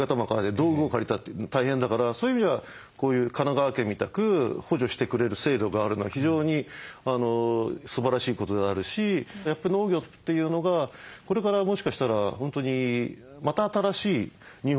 道具を借りたって大変だからそういう意味じゃこういう神奈川県みたく補助してくれる制度があるのは非常にすばらしいことであるしやっぱ農業というのがこれからもしかしたら本当にまた新しい日本を作り上げていくものになる。